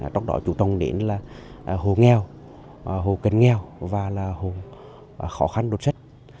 trong đó chủ trọng đến là hồ nghèo hồ kênh nghèo và là hồ khó khăn đột sách